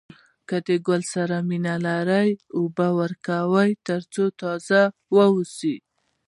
که د ګل سره مینه لرئ اوبه ورکوئ تر څو تازه واوسي.